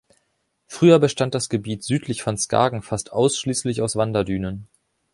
Früher bestand das Gebiet südlich von Skagen fast ausschließlich aus Wanderdünen.